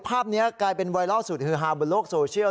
ภาพนี้กลายเป็นไวรัลสุดฮือฮาบนโลกโซเชียล